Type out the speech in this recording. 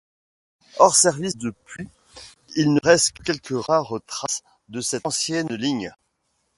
Hors-service depuis, il ne reste que quelques rares traces de cette ancienne ligne.